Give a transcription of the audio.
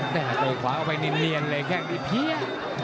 แต่ตัวขวาเอาไปนินเนียนเลยแค่นี้เพียร์